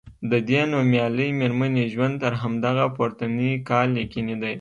د دې نومیالۍ میرمنې ژوند تر همدغه پورتني کال یقیني دی.